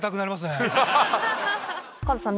カズさん